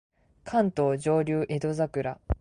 関東上流江戸桜